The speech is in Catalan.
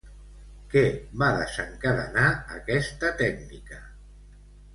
Què va desencadenar aquesta tècnica?